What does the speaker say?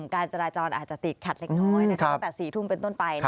การจราจรอาจจะติดขัดเล็กน้อยตั้งแต่๔ทุ่มเป็นต้นไป